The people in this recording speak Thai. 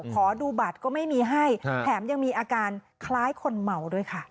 ขอดูบัตรก็ไม่มีให้แกล้มยังมีอาการคล้ายคนเหมา